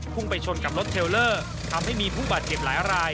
พรุ่งไปชนกับรถเทลเลอร์ทำให้มีภูตรเจ็ดหลายราย